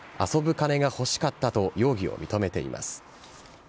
遊ぶ金が欲しかったと、容疑を認めています。